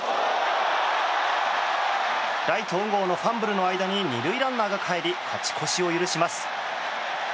ライト、小郷のファンブルの間に２塁ランナーがかえり勝ち越しを許します。